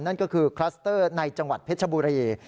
นั่นก็คือคลัสเตอร์ในจังหวัดเพชรบุรี